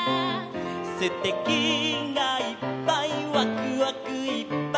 「すてきがいっぱい」「わくわくいっぱい」